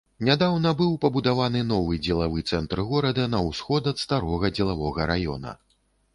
Нядаўна быў пабудаваны новы дзелавы цэнтр горада на ўсход ад старога дзелавога раёна.